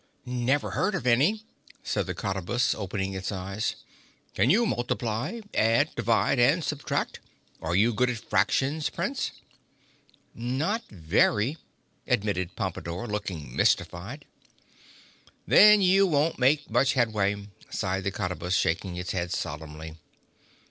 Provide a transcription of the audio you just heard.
"Never heard of any," said the Cottabus, opening its eyes. "Can you multiply—add—divide and subtract? Are you good at fractions, Prince?" "Not very," admitted Pompadore, looking mystified. "Then you won't make much headway," sighed the Cottabus, shaking its head solemnly.